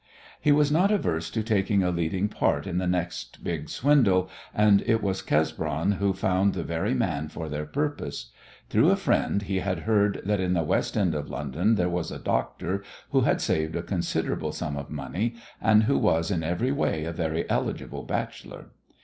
He was not averse to taking a leading part in the next big swindle, and it was Cesbron who found the very man for their purpose. Through a friend he had heard that in the West End of London there was a doctor who had saved a considerable sum of money, and who was in every way a very eligible bachelor.